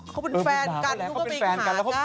เขาเป็นแฟนกันเขาก็ไปหาเขา